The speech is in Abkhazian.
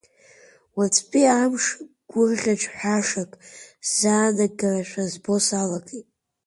Уаҵәтәи амш гәырӷьаҿҳәашак сзаанагарашәа збо салагеит.